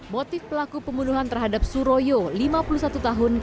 motif pelaku pembunuhan terhadap suroyo lima puluh satu tahun